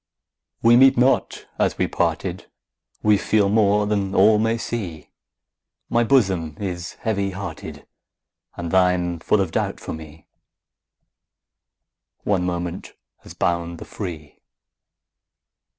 We meet not as we parted, We feel more than all may see; My bosom is heavy hearted, And thine full of doubt for me: One moment has bound the free.